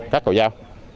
cắt cầu giao